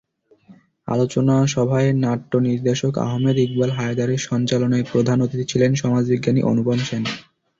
আলোচনা সভায় নাট্যনির্দেশক আহমেদ ইকবাল হায়দারের সঞ্চালনায় প্রধান অতিথি ছিলেন সমাজবিজ্ঞানী অনুপম সেন।